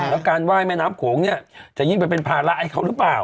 แล้วการไหว้แม่น้ำโขงเนี่ยจะยิ่งไปเป็นภาระให้เขาหรือเปล่า